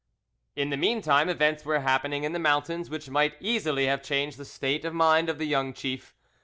In the meantime events were happening in the mountains which might easily have changed the state of mind of the young chief.